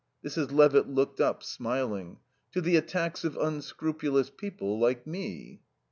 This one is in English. Mrs. Levitt looked up, smiling. "To the attacks of unscrupulous people like me."